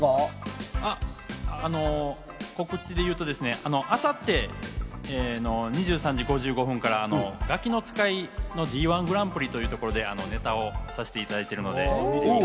告知でいうとですね、明後日２３時５５分から『ガキの使い』のＤ−１グランプリというところで、ネタをさせてもらってます。